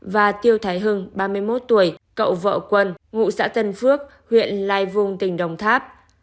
và tiêu thái hưng ba mươi một tuổi cậu vợ quân ngụ xã tân phước huyện lai vung tỉnh đồng tháp